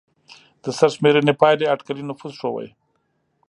د سرشمېرنې پایلې اټکلي نفوس ښوده.